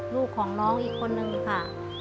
ลูกของน้องอีกคนนึงค่ะ